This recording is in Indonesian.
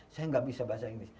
saya nggak bisa bahasa inggris